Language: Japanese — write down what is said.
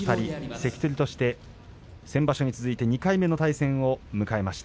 関取として先場所に続いて２回目の対戦を迎えました。